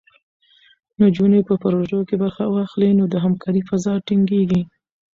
نجونې په پروژو کې برخه واخلي، نو د همکارۍ فضا ټینګېږي.